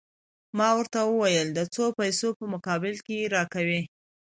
ما ورته وویل: د څو پیسو په مقابل کې يې راکوې؟